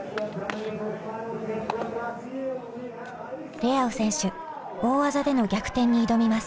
レアウ選手大技での逆転に挑みます。